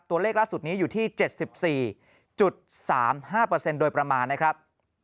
ตัวเลขล่าสุดนี้อยู่ที่๗๔๓๕โดยประมาณนะครับ